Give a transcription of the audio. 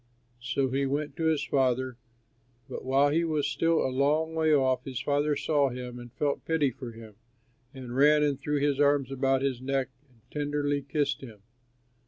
"So he went to his father. But while he was still a long way off, his father saw him and felt pity for him, and ran and threw his arms about his neck and tenderly kissed him.